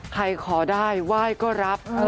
ใครขอได้ว่ายก็รับ